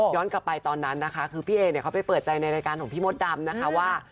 กลับไปตอนนั้นนะคะคือพี่เอเนี่ยเขาไปเปิดใจในรายการของพี่มดดำนะคะว่า